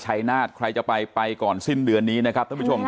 ชัยนาฏใครจะไปไปก่อนสิ้นเดือนนี้นะครับท่านผู้ชมครับ